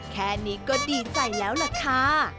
แค่นี้ก็ดีใจแล้วล่ะค่ะ